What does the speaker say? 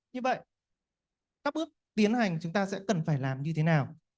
như vậy các bước tiến hành chúng ta sẽ cần phải làm như thế nào